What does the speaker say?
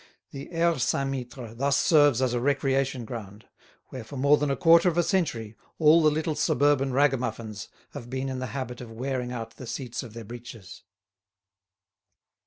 The Aire Saint Mittre thus serves as a recreation ground, where for more than a quarter of a century all the little suburban ragamuffins have been in the habit of wearing out the seats of their breeches.